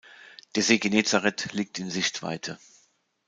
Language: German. Der See Genezareth liegt in Sichtweite.